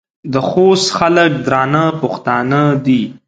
د خوست خلک درانه پښتانه دي.